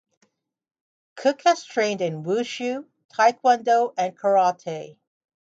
Cooke has trained in wushu, taekwondo and karate.